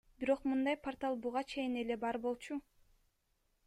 Бирок мындай портал буга чейин эле бар болчу.